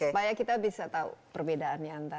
supaya kita bisa tahu perbedaannya antara